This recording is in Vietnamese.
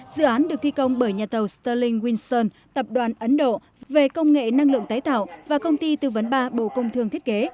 dự án được thi công bởi nhà tàu sterling winson tập đoàn ấn độ về công nghệ năng lượng tái tạo và công ty tư vấn ba bộ công thương thiết kế